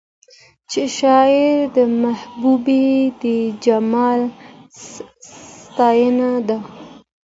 چې شاعري د محبوبې د جمال ستاينه ده